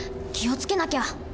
気を付けなきゃ。